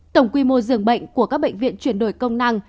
tổng quy mô dường bệnh của các bệnh viện chuyển đổi công năng